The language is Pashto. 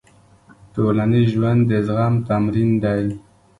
ټولنیز ژوند د زغم تمرین دی.